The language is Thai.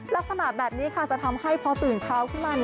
ลักษณะแบบนี้ค่ะจะทำให้พอตื่นเช้าขึ้นมา